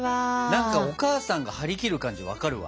何かお母さんが張り切る感じ分かるわ。